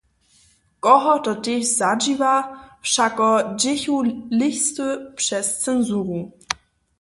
Koho to tež zadźiwa, wšako dźěchu listy přez censuru.